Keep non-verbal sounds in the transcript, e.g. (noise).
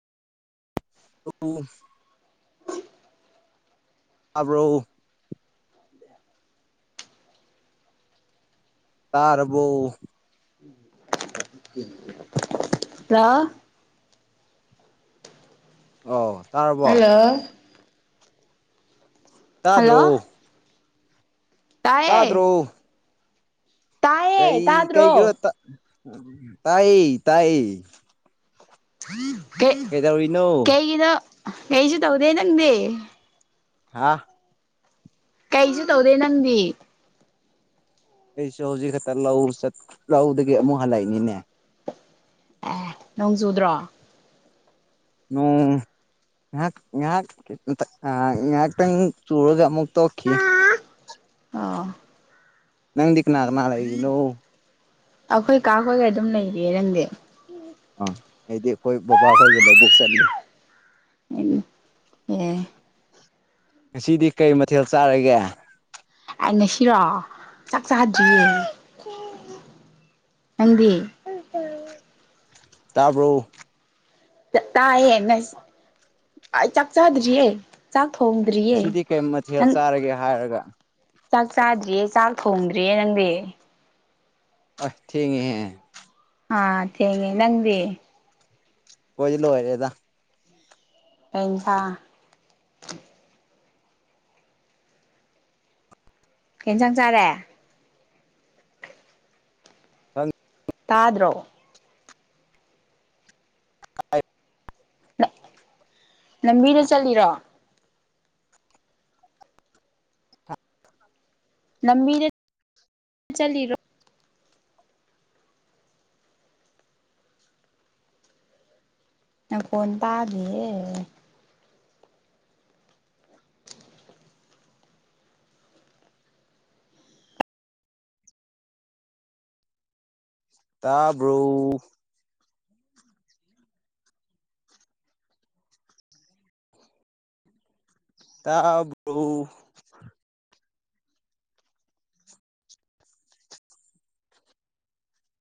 ꯎꯄꯨ ꯇꯥꯕꯣ (inaudible) ꯇꯥꯔꯕꯨꯣ ꯄ꯭ꯔꯥ ꯑꯣ ꯇꯥꯔꯕꯣ ꯍꯜꯂꯣ ꯆꯗ꯭ꯔꯣ ꯍꯜꯂꯣ ꯇꯥꯗ꯭ꯔꯣ ꯇꯥꯏꯌꯦ ꯇꯥꯏꯌꯦ ꯀꯩ ꯀꯩ ꯀꯩꯅꯣ ꯇꯥꯗ꯭ꯔꯣ ꯇꯥꯏꯌꯦ ꯇꯥꯏ ꯩ ꯀꯩꯒꯤꯗꯣ ꯀꯩꯁꯨ ꯇꯧꯗꯦ ꯅꯪꯗꯤ ꯍꯥꯥ ꯀꯩꯁꯨ ꯇꯧꯗꯦ ꯅꯪꯗꯤ ꯑꯩꯁꯨ ꯍꯧꯖꯤꯛ ꯈꯛꯇ ꯂꯧ ꯂꯧꯗꯒꯤ ꯑꯃꯨꯛ ꯍꯜꯂꯛꯏꯅꯤꯅꯦ ꯑꯦ ꯅꯣꯡ ꯆꯨꯗ꯭ꯔꯣ ꯉꯍ ꯉꯍꯥꯛ ꯑ ꯉꯍꯥꯛꯇꯪ ꯆꯨꯔꯒ ꯑꯃꯨꯛ ꯇꯣꯛꯈꯤ ꯑꯣ ꯅꯪꯗꯤ ꯀꯅꯥ ꯀꯅꯥ ꯂꯩꯦ ꯅ ꯑꯩꯈꯣꯏ ꯀꯥꯄꯒ ꯑꯗꯨꯝ ꯂꯩꯔꯤꯔꯪꯗꯦ ꯍꯥꯏꯗꯤ ꯑꯩꯈꯣꯏ ꯕꯕꯥ ꯈꯣꯏꯒ ꯂꯧꯕꯨꯛ ꯆꯠꯂꯨ ꯑꯦ ꯉꯁꯤꯗꯤ ꯀꯩ ꯃꯊꯦꯜ ꯆꯥꯔꯒꯦ ꯀꯩꯅꯁꯤꯔꯣꯑꯣ ꯆꯥꯛ ꯆꯥꯍꯗ꯭ꯔꯤꯌꯦ ꯑꯪꯗꯤ ꯇꯥꯕ꯭ꯔꯣ ꯇꯥ ꯍꯦꯟꯅ ꯆꯥꯛ ꯆꯥꯗ꯭ꯔꯤ ꯍꯦ ꯆꯥꯛ ꯊꯣꯡꯗ꯭ꯔꯤꯌꯦ ꯑꯁꯤꯗꯤ ꯀꯔꯤ ꯃꯊꯦꯜ ꯅꯪ ꯆꯥꯔꯒꯦ ꯍꯥꯏꯔꯒ ꯆꯥꯛ ꯆꯥꯗ꯭ꯔꯤꯌꯦ ꯆꯥꯛ ꯊꯣꯡꯗ꯭ꯔꯤꯦ ꯅꯪꯗꯤ ꯑ ꯊꯦꯡꯒꯤꯍꯦ ꯑ ꯊꯦꯡꯒꯦ ꯅꯪꯗꯤ ꯑꯣꯏꯣꯏ ꯂ ꯑꯣꯏꯔꯦꯗ ꯄꯁꯥ ꯀ ꯆꯪ ꯆꯔꯦ ꯍꯪ ꯇꯥꯗ꯭ꯔꯣ (inaudible) ꯂꯝꯕꯤꯗ ꯆꯠꯂꯤꯔꯣ ꯂꯃꯤꯅꯦ ꯆꯔꯣ ꯅ ꯐꯣꯟ ꯇꯥꯕꯦ ꯇꯥꯕ꯭ꯔꯣ ꯇꯥꯕꯣ